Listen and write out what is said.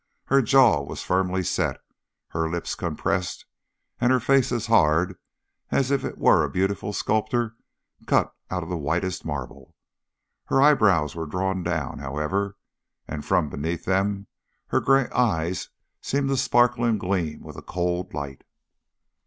Her jaw was firmly set, her lips compressed, and her face as hard as if it were a beautiful sculpture cut out of the whitest marble. Her eyebrows were drawn down, however, and from beneath them her grey eyes seemed to sparkle and gleam with a cold light.